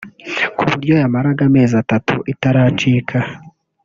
ku buryo yamaraga amezi atatu itaracika